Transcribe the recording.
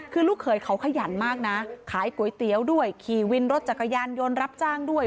คือลูกเขยเขาขยันมากนะขายก๋วยเตี๋ยวด้วยขี่วินรถจักรยานยนต์รับจ้างด้วย